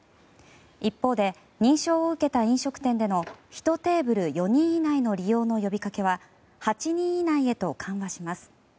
一方で、認証を受けた飲食店での１テーブル４人以内の利用の呼びかけは８人以内へと緩和します。